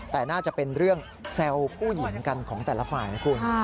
แต่น่าจะเป็นเรื่องแซวผู้หญิงกันของแต่ละฝ่ายนะคุณ